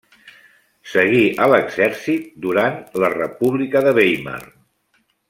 Seguí a l'Exèrcit durant la República de Weimar.